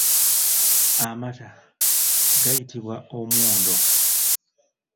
Amata gayitibwa omwondo.